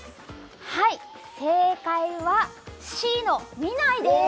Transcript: はい正解はＣの見ないです